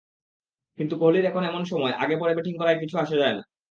কিন্তু কোহলির এখন এমন সময়, আগে-পরে ব্যাটিং করায় কিচ্ছু যায় আসে না।